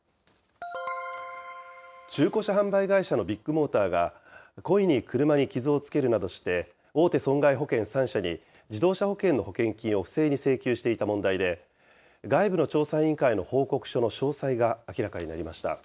中古車販売会社のビッグモーターが故意に車に傷をつけるなどして、大手損害保険３社に自動車保険の保険金を不正に請求していた問題で、外部の調査委員会の報告書の詳細が明らかになりました。